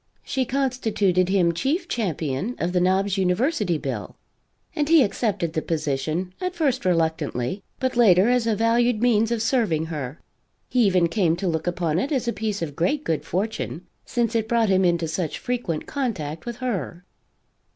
She constituted him chief champion of the Knobs University bill, and he accepted the position, at first reluctantly, but later as a valued means of serving her he even came to look upon it as a piece of great good fortune, since it brought him into such frequent contact with her.